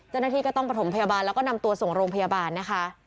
เจ้าหน้าที่ก็ต้องประถมพยาบาลแล้วก็นำตัวส่งโรงพยาบาลนะคะ